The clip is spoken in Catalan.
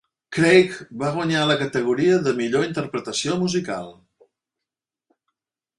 Craig va guanyar la categoria de Millor interpretació musical.